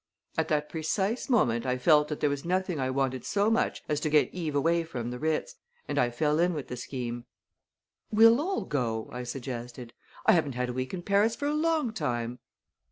At that precise moment I felt that there was nothing I wanted so much as to get Eve away from the Ritz, and I fell in with the scheme. "We'll all go," I suggested. "I haven't had a week in Paris for a long time."